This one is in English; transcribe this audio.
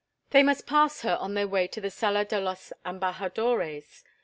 They must pass her on their way to the Sala de los Embajadores.